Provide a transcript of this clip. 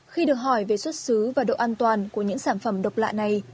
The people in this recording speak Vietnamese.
khi được hỏi về xuất xứ và độ an toàn của những sản phẩm độc lạ này